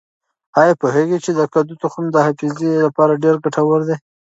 آیا پوهېږئ چې د کدو تخم د حافظې لپاره ډېر ګټور دی؟